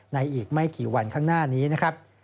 อีกไม่กี่วันข้างหน้านี้นะครับ